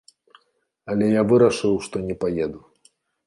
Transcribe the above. Але я вырашыў, што не паеду.